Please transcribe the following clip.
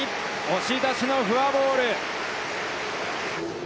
押し出しのフォアボール。